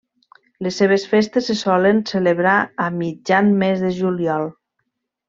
Les seves festes se solen celebrar a mitjan mes de juliol.